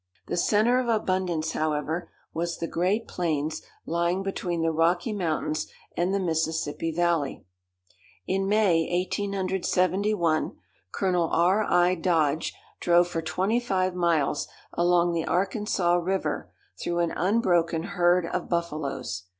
The center of abundance, however, was the great plains lying between the Rocky Mountains and the Mississippi Valley. In May, 1871, Col. R. I. Dodge drove for twenty five miles along the Arkansas River through an unbroken herd of buffaloes.